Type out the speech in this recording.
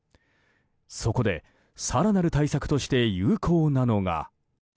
そこで更なる対策として有効なのが。